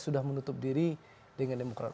sudah menutup diri dengan demokrat